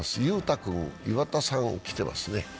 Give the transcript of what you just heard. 君、岩田さん、きてますね。